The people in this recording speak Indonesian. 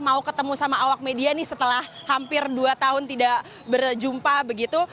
mau ketemu sama awak media nih setelah hampir dua tahun tidak berjumpa begitu